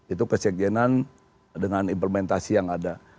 itu kesejenan dengan implementasi yang ada